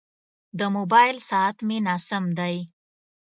د موبایل ساعت مې ناسم روان دی.